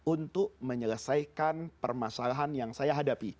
untuk menyelesaikan permasalahan yang saya hadapi